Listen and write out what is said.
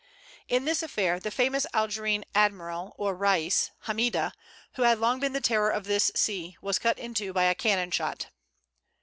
In this affair, the famous Algerine admiral or Rais, Hammida, who had long been the terror of this sea, was cut in two by a cannon shot.